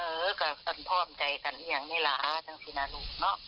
เออก็ต้องพร้อมใจกันอย่างนี้แหละตั้งทีนั้นหนูเนอะ